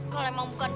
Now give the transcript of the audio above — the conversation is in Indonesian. kalau emang bukan kamu